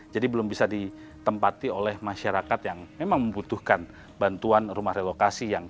jadi belum bisa ditempati oleh masyarakat yang memang membutuhkan bantuan rumah relokasi